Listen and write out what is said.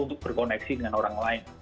untuk berkoneksi dengan orang lain